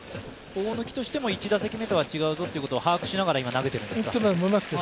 大貫としても、１打席目とは違うというのを把握しながら投げているんですか？